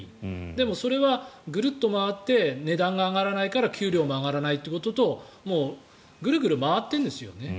でもそれはぐるっと回って値段が上がらないから給料も上がらないということとグルグル回ってるんですよね。